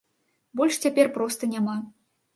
Больш цяпер проста няма.